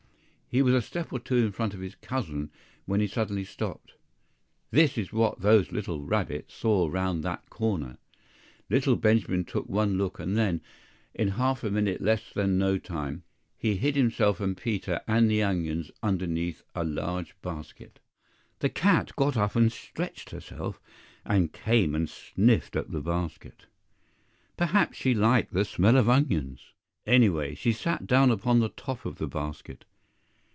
He was a step or two in front of his cousin, when he suddenly stopped. THIS is what those little rabbits saw round that corner! Little Benjamin took one look, and then, in half a minute less than no time, he hid himself and Peter and the onions underneath a large basket.... THE cat got up and stretched herself, and came and sniffed at the basket. Perhaps she liked the smell of onions! Anyway, she sat down upon the top of the basket.